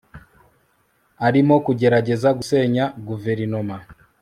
arimo kugerageza gusenya guverinoma